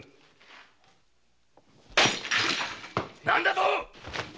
何だと！？